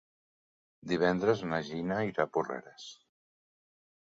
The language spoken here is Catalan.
Divendres na Gina irà a Porreres.